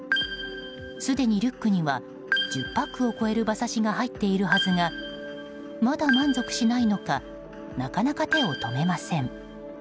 すでにリュックには１０パックを超える馬刺しが入っているはずがまだ満足しないのかなかなか手を止めません。